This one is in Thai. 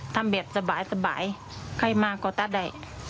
ทำแบบสบายใครมาก็ตัดได้